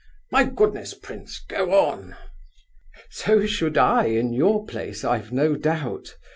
My goodness, prince—go on!" "So should I, in your place, I've no doubt!"